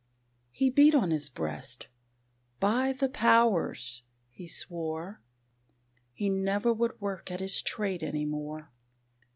He beat on his breast, "By the Powers!" he swore, He never would work at his trade any more.